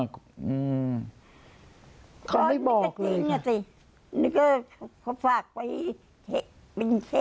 เขาไม่บอกเลยค่ะ